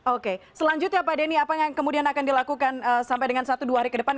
oke selanjutnya pak denny apa yang kemudian akan dilakukan sampai dengan satu dua hari ke depan